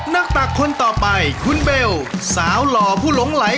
ตักคนต่อไปคุณเบลสาวหล่อผู้หลงไหล